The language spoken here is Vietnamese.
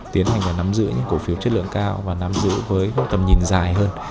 tiến hành và nắm giữ những cổ phiếu chất lượng cao và nắm giữ với tầm nhìn dài hơn